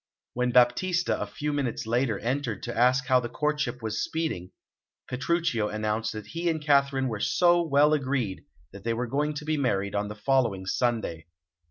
When Baptista a few minutes later entered to ask how the courtship was speeding, Petruchio announced that he and Katharine were so well agreed that they were going to be married on the following Sunday.